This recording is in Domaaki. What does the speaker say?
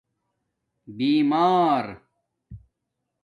بیمار